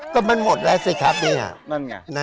ก็มันหมดแล้วสิครับนี่ห้ะ